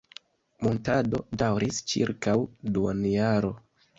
Muntado daŭris ĉirkaŭ duonjaro.